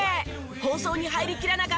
放送に入りきらなかったトーク満載！